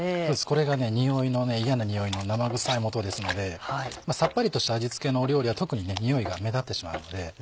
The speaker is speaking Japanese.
これが嫌な臭いの生臭いもとですのでさっぱりとした味付けの料理は特に臭いが目立ってしまうので。